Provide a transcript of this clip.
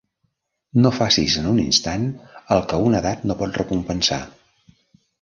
No facis en un instant el que una edat no pot recompensar.